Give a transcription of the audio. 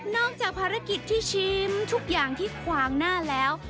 จากภารกิจที่ชิมทุกอย่างที่ขวางหน้าแล้ว